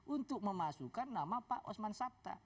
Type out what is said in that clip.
untuk memasukkan nama pak osman sabta